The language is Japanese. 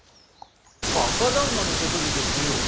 若旦那のことでげすよ。